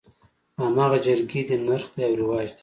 هماغه جرګې دي نرخ دى او رواج دى.